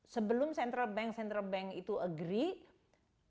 sebelum central bank central bank itu agree